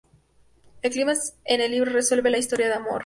El clímax en el libro resuelve la historia de amor.